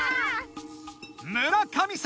「村神様」